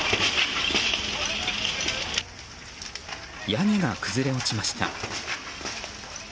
屋根が崩れ落ちました。